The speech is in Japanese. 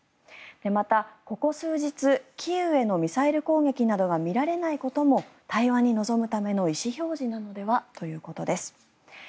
また、ここ数日キーウへのミサイル攻撃などが見られないことも対話に臨むための意思表示なのではということです。